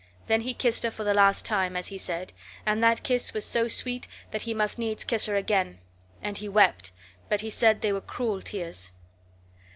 Then he kissed her for the last time (as he said), and that kiss was so sweet that he must needs kiss her again; and he wept, but he said they were cruel tears.